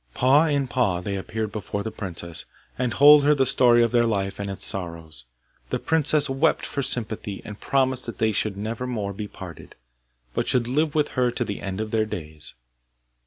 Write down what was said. Paw in paw they appeared before the princess, and told her the story of their life and its sorrows. The princess wept for sympathy, and promised that they should never more be parted, but should live with her to the end of their days.